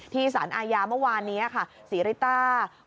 สารอาญาเมื่อวานนี้ค่ะศรีริต้า